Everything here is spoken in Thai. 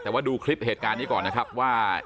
แต่ว่าดูคลิปเหตุการณ์นี้ก่อนนะครับว่า